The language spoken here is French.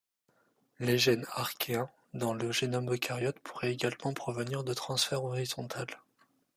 Les gènes archéens dans les génomes eucaryotes pourraient également provenir de transfert horizontal.